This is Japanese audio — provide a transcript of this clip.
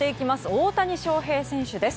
大谷翔平選手です。